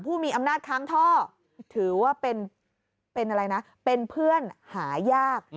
ผู้มีอำนาจค้างท่อถือว่าเป็นอะไรนะเป็นเพื่อนหายาก